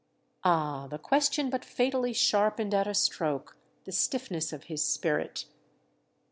Ah, the question but fatally sharpened at a stroke the stiffness of his spirit.